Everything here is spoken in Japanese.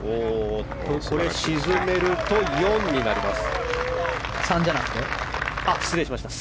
沈めると３になります。